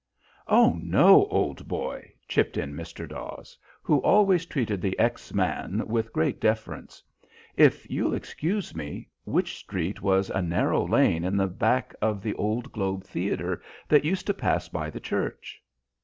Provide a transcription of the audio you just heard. "Oh, no, old boy," chipped in Mr. Dawes, who always treated the ex man with great deference. "If you'll excuse me, Wych Street was a narrow lane at the back of the old Globe Theatre, that used to pass by the church."